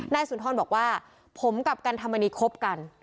สุนทรบอกว่าผมกับกันธรรมนีคบกัน